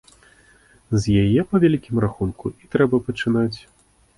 З яе, па вялікім рахунку, і трэба пачынаць.